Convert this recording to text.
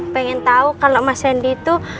pengen tau kalau mas randy itu